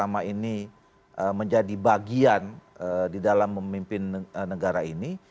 selama ini menjadi bagian di dalam memimpin negara ini